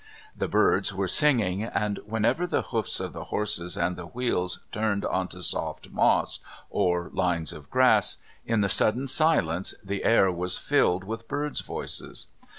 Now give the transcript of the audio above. The birds were singing, and whenever the hoofs of the horses and the wheels turned onto soft moss or lines of grass, in the sudden silence the air was filled with birds' voices.